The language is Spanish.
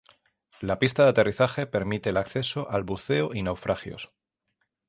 La pista de aterrizaje permite el acceso al buceo y naufragios.